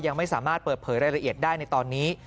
ยังไม่สามารถเปิดเผยรายละเอียดได้ในตอนนี้